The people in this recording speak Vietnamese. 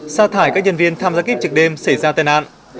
xa thải các nhân viên tham gia kết trực đêm xảy ra tên nạn